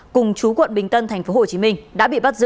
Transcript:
cùng chú quận bình tân tp hcm đã bị bắt giữ